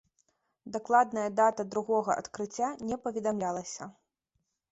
Дакладная дата другога адкрыцця не паведамлялася.